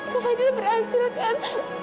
kak fadil berhasil kan